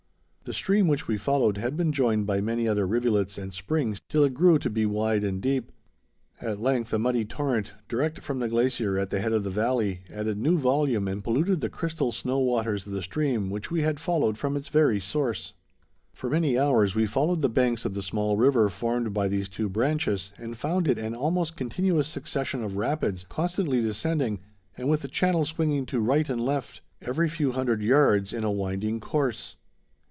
The stream which we followed had been joined by many other rivulets and springs till it grew to be wide and deep. At length a muddy torrent, direct from the glacier at the head of the valley, added new volume and polluted the crystal snow waters of the stream which we had followed from its very source. For many hours we followed the banks of the small river formed by these two branches, and found it an almost continuous succession of rapids, constantly descending, and with a channel swinging to right and left, every few hundred yards, in a winding course.